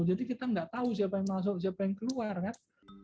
jadi kita nggak tahu siapa yang masuk siapa yang keluar kan